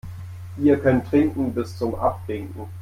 Ihr könnt trinken bis zum Abwinken.